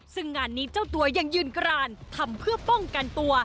ซึ่งงานนี้เจ้าตัวยังยืนกรานทำเพื่อป้องกันตัว